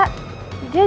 dia juga kan berpengalaman